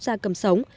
gia cầm sống